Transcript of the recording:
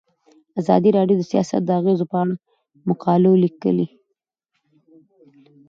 ازادي راډیو د سیاست د اغیزو په اړه مقالو لیکلي.